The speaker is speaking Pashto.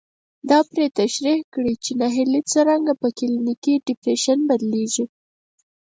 دا پرې تشرېح کړي چې ناهيلي څرنګه په کلينيکي ډېپريشن بدلېږي.